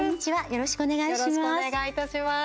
よろしくお願いします。